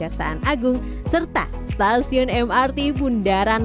halte csw terkoneksi dengan empat halte transjakarta yakni halte csw dua csw tiga asean dan kejaksaan agung